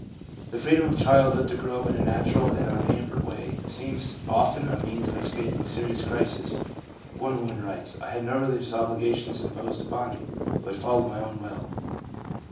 The freedom of childhood to grow in a natural and un hampered way seems often a means of escaping serious crises. One woman writes :' I had no religious obliga tions imposed upon me, but followed my own will.